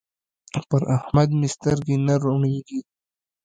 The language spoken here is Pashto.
پر احمد مې سترګې نه روڼېږي.